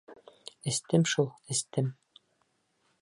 — Эстем шул, эстем.